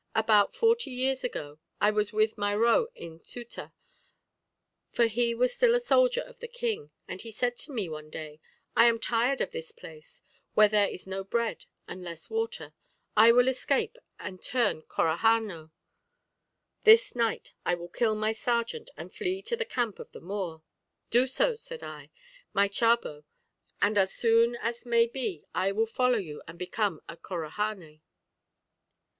About forty years ago I was with my ro in Ceuta, for he was still a soldier of the king; and he said to me one day, 'I am tired of this place, where there is no bread and less water; I will escape and turn Corahanó; this night I will kill my sergeant, and flee to the camp of the Moor,' 'Do so,' said I, 'my chabó, and as soon as may be I will follow you and become a Corahani.'